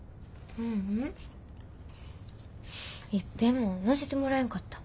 ううんいっぺんも乗せてもらえんかった。